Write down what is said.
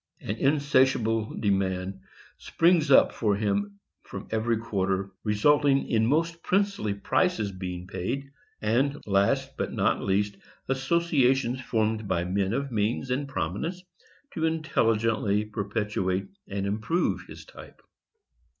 An insatiable demand springs up for him from every quarter, resulting in most princely prices being paid, and, last but not least, 378 THE AMERICAN BOOK OF THE DOG. associations formed by men of means and prominence to intelligently perpetuate and improve his type.